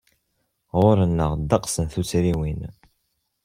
Ɣur-neɣ ddeqs n tuttriwin.